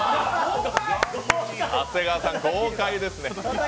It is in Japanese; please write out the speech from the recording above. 長谷川さん、豪快ですね。